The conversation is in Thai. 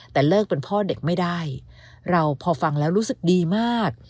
แต่เลิกเป็นพ่อเด็กไม่ได้เราพอฟังแล้วรู้สึกดีมาก